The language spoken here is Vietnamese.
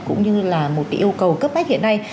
cũng như là một cái yêu cầu cấp bách hiện nay